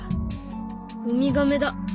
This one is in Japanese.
ウミガメだ。